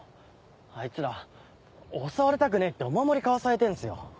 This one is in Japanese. あいつら襲われたくねえってお守り買わされてんすよ。